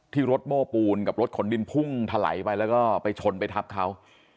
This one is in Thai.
รถโม้ปูนกับรถขนดินพุ่งถลายไปแล้วก็ไปชนไปทับเขา